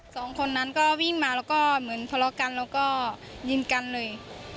สองคนนั้นก็วิ่งมาแล้วก็เหมือนทะเลาะกันแล้วก็ยิงกันเลย